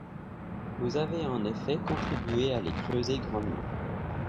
Vous avez en effet contribué à les creuser grandement.